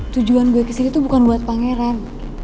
tujuan gue kesini tuh bukan buat pangeran